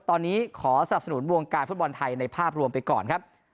ตอนนี้ขอสนับสนุนวงการฟุตบอลไทยในภาพรวมไปก่อนครับ